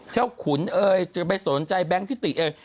ขุนเอ่ยจะไปสนใจแบงค์ทิติเอ่ย